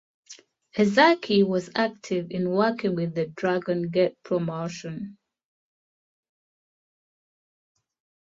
Ezaki was active in working with the Dragon Gate promotion.